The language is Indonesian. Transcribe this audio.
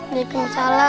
nih pengen salam